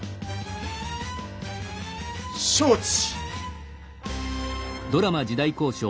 承知。